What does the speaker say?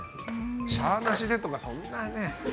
しゃーなしでとか、そんなね。